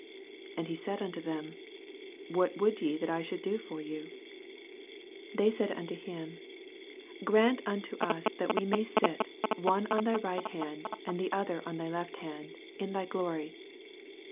36 And he said unto them, What would ye that I should do for yoga * 216 EXPOSITORY THOUGHTS. 37 They said unto him, Grant unto DP, that we may sit, one on thy right band, and the other on thy left hand, in thy glory.